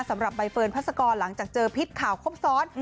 สำหรับใบเฟิร์นพัศกรหลังจากเจอพิษข่าวครบซ้อน